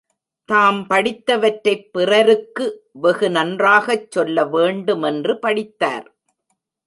தாம் படித்த வற்றைப் பிறருக்கு வெகு நன்றாகச் சொல்ல வேண்டு மென்று படித்தார்.